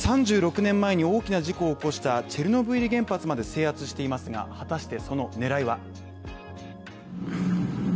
３６年前に大きな事故を起こしたチェルノブイリ原発まで制圧していますが果たして、その狙いは。